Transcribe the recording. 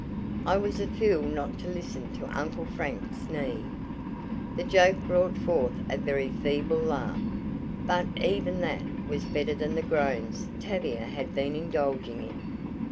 "I was a fool not to listen to Uncle Frank's knee." The joke brought forth a very feeble laugh, but even that was better than the groans Tavia had been indulging in.